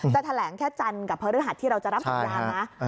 จะแถลงแค่จันทร์กับเผ์เรือหัฐที่เราจะรับสั่งการนะ